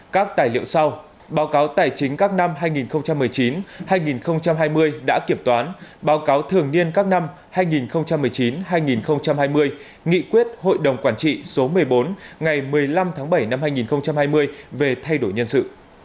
các tài liệu sau báo cáo tài chính các năm hai nghìn một mươi chín hai nghìn hai mươi đã kiểm toán báo cáo thường niên các năm hai nghìn một mươi chín hai nghìn hai mươi nghị quyết hội đồng quản trị số một mươi bốn ngày một mươi năm tháng bảy năm hai nghìn hai mươi về thay đổi nhân sự